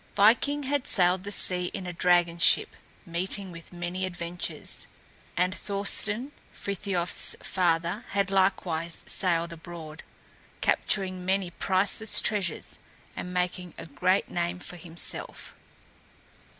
Viking had sailed the sea in a dragon ship, meeting with many adventures, and Thorsten, Frithiof's father, had likewise sailed abroad, capturing many priceless treasures and making a great name for himself.